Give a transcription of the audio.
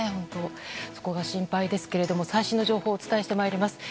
そこが心配ですけど最新の情報をお伝えしてまいります。